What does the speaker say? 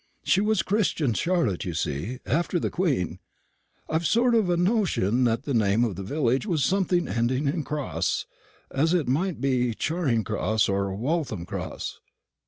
She was christened Charlotte, you see, after the Queen. I've a sort of notion that the name of the village was something ending in Cross, as it might be Charing Cross, or Waltham Cross."